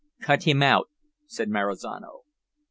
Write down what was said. "Cut him out," said Marizano.